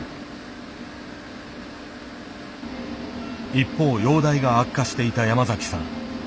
一方容体が悪化していた山崎さん。